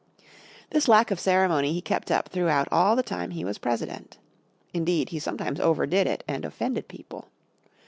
This lack of ceremony he kept up throughout all the time he was President. Indeed he sometimes overdid it and offended people.